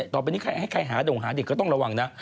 ต่อไปนี้ใครหาเด็กก็ต้องระวังนะ